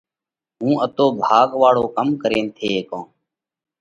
هُون اتو گھڻو ڀاڳ واۯو ڪم ڪرينَ ٿي هيڪونه؟